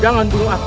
jangan tunggu aku